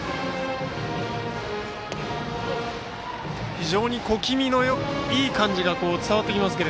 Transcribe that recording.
非常に小気味いい感じが伝わってきますが。